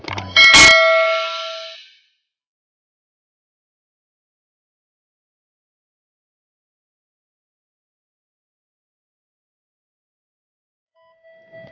kamu pasti senang liat